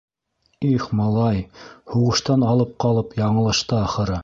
Их малай, һуғыштан алып ҡалып, яңылышты ахыры.